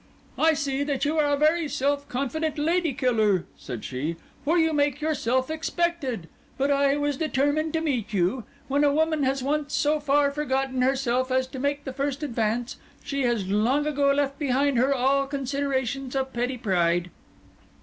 "I see that you are a very self confident lady killer," said she; "for you make yourself expected. But I was determined to meet you. When a woman has once so far forgotten herself as to make the first advance, she has long ago left behind her all considerations of petty pride."